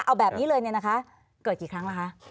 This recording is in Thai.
เอาแบบนี้เลยเนี่ยนะคะเกิดกี่ครั้งล่ะคะ